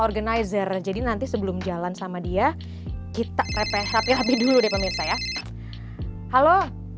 organizer jadi nanti sebelum jalan sama dia kita repeh tapi dulu deh pemirsa ya halo